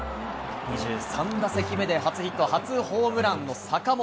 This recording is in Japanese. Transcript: ２３打席目で初ヒット、初ホームランの坂本。